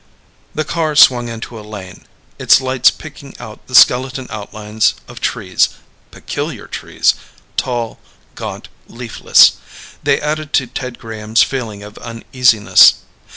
The car swung into a lane, its lights picking out the skeleton outlines of trees: peculiar trees tall, gaunt, leafless. They added to Ted Graham's feeling of uneasiness.